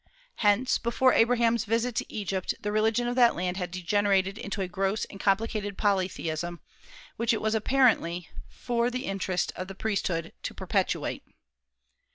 Hence, before Abraham's visit to Egypt the religion of that land had degenerated into a gross and complicated polytheism, which it was apparently for the interest of the priesthood to perpetuate.